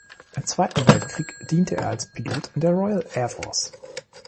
Im Zweiten Weltkrieg diente er als Pilot in der Royal Air Force.